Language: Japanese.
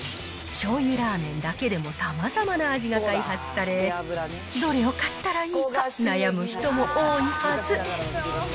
しょうゆラーメンだけでもさまざまな味が開発され、どれを買ったらいいか、悩む人も多いはず。